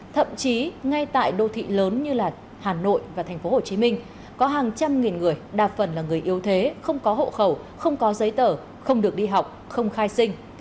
thậm chí ngay tại đô thị lớn như hà nội và tp hcm có hàng trăm nghìn người đa phần là người yếu thế không có hộ khẩu không có giấy tờ không được đi học không khai sinh